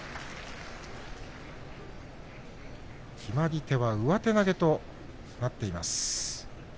決まり手は上手投げとなっています。